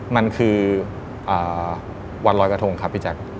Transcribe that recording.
มันคือวันรอยกระทงครับพี่แจ๊ค